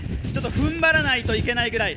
踏ん張らないといけないくらい。